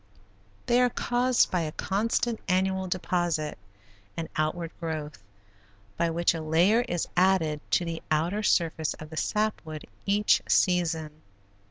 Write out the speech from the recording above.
They are caused by a constant annual deposit and outward growth, by which a layer is added to the outer surface of the sap wood each season.